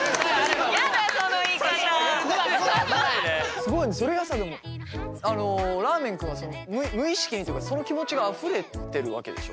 すごいなそれがさらーめん君は無意識にというかその気持ちがあふれてるわけでしょ？